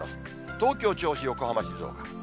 東京、銚子、横浜、静岡。